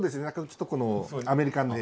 ちょっとこのアメリカンで。